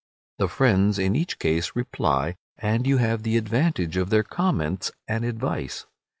The friends in each case reply, and you have the advantage of their comments and advice.